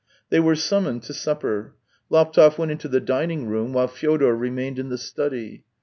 They were summoned to supper. Laptev went THREE YEARS 257 into the dining room, while Fyodor remained in the study.